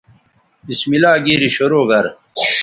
بسم اللہ گیری شرو گر